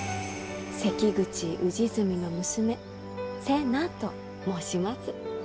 関口氏純の娘瀬名と申します。